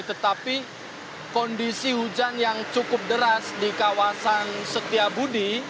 tetapi kondisi hujan yang cukup deras di kawasan setiabudi